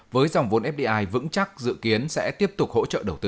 với dòng vốn fdi vững chắc dự kiến sẽ tiếp tục hỗ trợ đầu tư